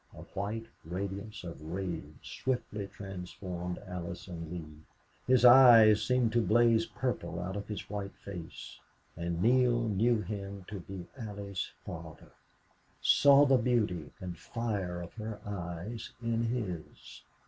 A white radiance of rage swiftly transformed Allison Lee. His eyes seemed to blaze purple out of his white face. And Neale knew him to be Allie's father saw the beauty and fire of her eyes in his.